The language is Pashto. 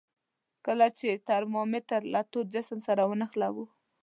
کله چې ترمامتر له تود جسم سره ونښلولو.